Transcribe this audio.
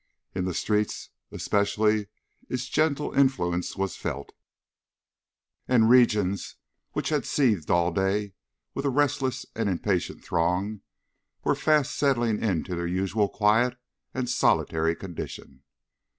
In the streets, especially, its gentle influence was felt, and regions which had seethed all day with a restless and impatient throng were fast settling into their usual quiet and solitary condition.